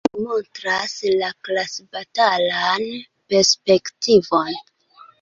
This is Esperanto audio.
Li montras la klasbatalan perspektivon.